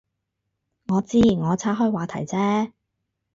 我知，我岔开话题啫